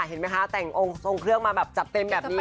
เห็นไหมคะแต่งองค์ทรงเครื่องมาแบบจัดเต็มแบบนี้